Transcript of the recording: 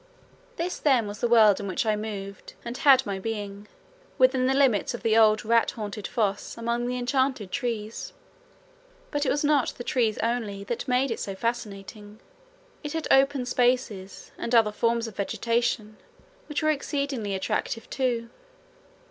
This then was the world in which I moved and had my being, within the limits of the old rat haunted foss among the enchanted trees. But it was not the trees only that made it so fascinating, it had open spaces and other forms of vegetation which were exceedingly attractive too.